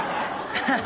ハハハハ！